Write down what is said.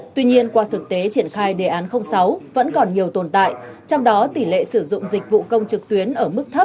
tuy nhiên qua thực tế triển khai đề án sáu vẫn còn nhiều tồn tại trong đó tỷ lệ sử dụng dịch vụ công trực tuyến ở mức thấp